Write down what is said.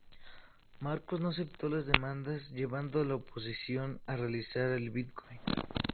Marcos no aceptó las demandas llevando a la oposición a realizar el boicot.